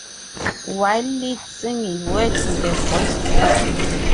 While lead single Where Do The Boys Go?